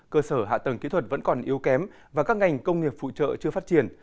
cơ sở hạ tầng kỹ thuật vẫn còn yếu kém và các ngành công nghiệp phụ trợ chưa phát triển